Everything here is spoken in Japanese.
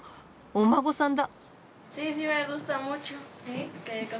お孫さんだ。